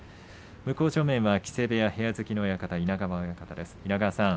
向正面は木瀬部屋、部屋付きの親方、稲川親方です。